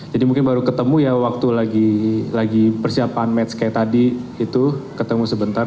jadi mungkin baru ketemu ya waktu lagi persiapan match kayak tadi itu ketemu sebentar